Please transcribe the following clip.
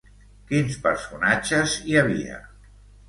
Quins personatges hi havia?